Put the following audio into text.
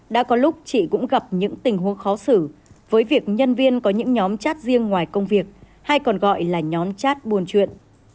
đã có lúc chị cũng gặp những tình huống khó xử với việc nhân viên có những nhóm chat riêng ngoài công việc hay còn gọi là nhóm chat buồn chuyện